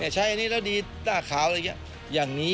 ใช้อันนี้แล้วดีหน้าขาวอะไรอย่างนี้